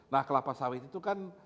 nah kelapa sawit itu kan